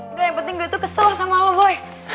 engga yang penting gue tuh kesel sama lo boy